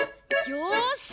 よし！